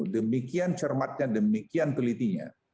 demikian cermatnya demikian telitinya